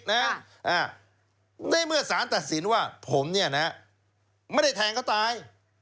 ในเมื่อสารตัดสินว่าผมเนี่ยนะไม่ได้แทงเขาตาย